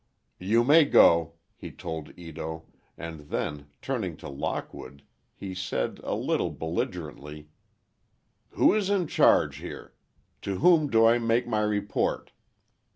"You may go," he told Ito, and then, turning to Lockwood, he said, a little belligerently, "Who is in charge here? To whom do I make my report?"